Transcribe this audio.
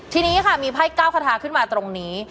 ทีนี้ค่ะมีไพ่เก้าคาทาขึ้นมาตรงนี้